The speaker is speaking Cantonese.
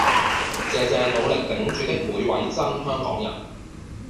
謝謝努力頂住的每位真香港人